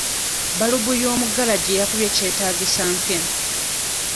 Balubu y'omu ggalagi yakubye kyetaagisa mpya.